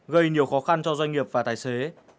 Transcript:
gây nhiều khó khăn cho doanh nghiệp và tài xế